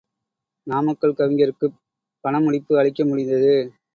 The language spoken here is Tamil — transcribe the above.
நாமக்கல் கவிஞருக்குப் பண முடிப்பு அளிக்க முடிந்தது.